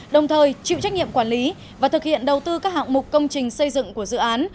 đồng thời chịu trách nhiệm quản lý và thực hiện đầu tư các hạng mục công trình xây dựng của dự án